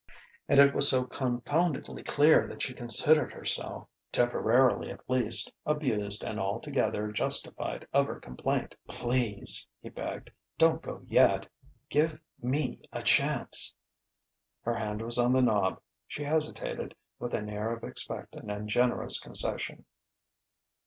And it was so confoundedly clear that she considered herself, temporarily at least, abused and altogether justified of her complaint! "Please," he begged, "don't go yet. Give me a chance!" Her hand was on the knob. She hesitated, with an air of expectant and generous concession.